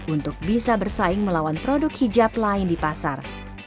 untuk bisa bersaing melawan produk hijab lain di pasar